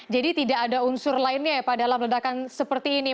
jadi tidak ada unsur lainnya ya pak dalam ledakan seperti ini